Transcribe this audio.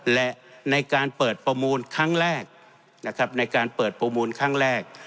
และในการเปิดประมูลครั้งแรก